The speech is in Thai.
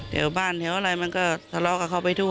แถวบ้านแถวอะไรมันก็ทะเลาะกับเขาไปทั่ว